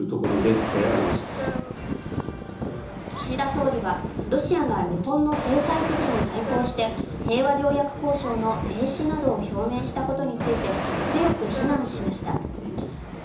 岸田総理は、ロシアが日本の制裁措置に対抗して平和条約交渉の停止などを表明したことについて強く非難しました。